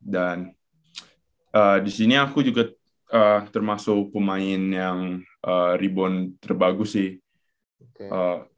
dan disini aku juga termasuk pemain yang rebound terbagus sih